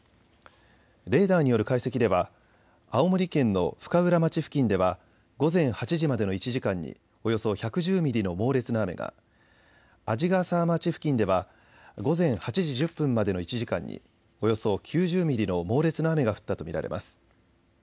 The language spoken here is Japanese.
レーダーによる解析では青森県の深浦町付近では午前８時までの１時間におよそ１１０ミリの猛烈な雨が、鰺ヶ沢町付近では午前８時１０分までの１時間におよそ９０ミリの猛烈な雨が降ったと見られます。